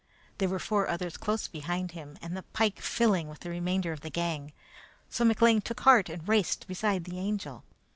There were four others close behind him, and the pike filling with the remainder of the gang; so McLean took heart and raced beside the Angel.